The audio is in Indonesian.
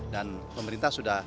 dan pemerintah sudah